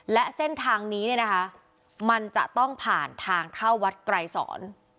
และเส้นทางนี้มันจะต้องผ่านทางเข้าวัดไกลสอน